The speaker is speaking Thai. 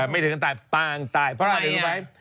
ไม่ถึงกับตายปางตายพนักเรานึกถึงไง